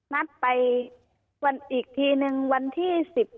นัดไปวันอีกทีนึงวันที่๑๗